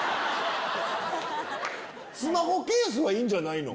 スマホケースはいいんじゃないの？